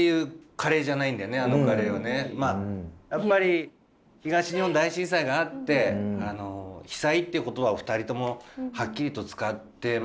やっぱり東日本大震災があって被災っていう言葉を２人ともはっきりと使ってました。